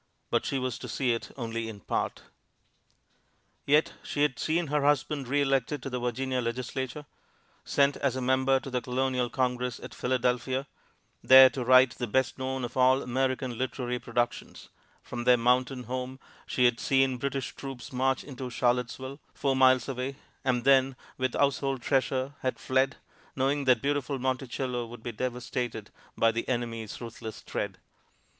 But she was to see it only in part. Yet she had seen her husband re elected to the Virginia Legislature; sent as a member to the Colonial Congress at Philadelphia, there to write the best known of all American literary productions; from their mountain home she had seen British troops march into Charlottesville, four miles away, and then, with household treasure, had fled, knowing that beautiful Monticello would be devastated by the enemy's ruthless tread.